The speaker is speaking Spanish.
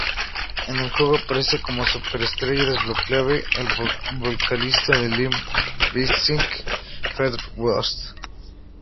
En el juego aparece como superestrella desbloqueable el vocalista de Limp Bizkit, Fred Durst.